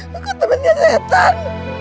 kok temennya setan